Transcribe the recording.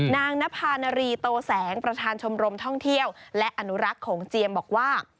นางนภาณรีโตแสงประธานชมรมท่องเที่ยวและอนุรักษ์โขงเจียมบอกว่า